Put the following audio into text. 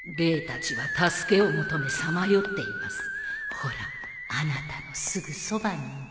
ほらあなたのすぐそばにも